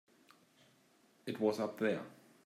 It was up there.